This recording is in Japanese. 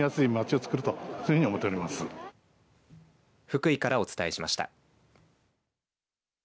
福井からお伝えしました。